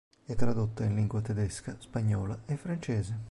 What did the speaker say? È tradotta in lingua tedesca, spagnola e francese.